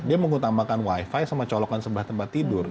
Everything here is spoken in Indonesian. dia mengutamakan wifi sama colokan sebuah tempat tidur